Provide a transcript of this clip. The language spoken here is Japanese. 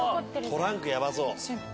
トランクやばそう。